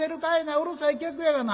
うるさい客やがな。